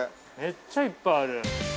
◆めっちゃいっぱいある。